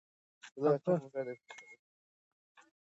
د پردی ځواک مخه ونیسه.